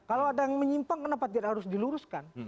kalau ada yang menyimpang kenapa tidak harus diluruskan